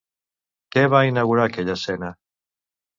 Què va inaugurar aquella escena?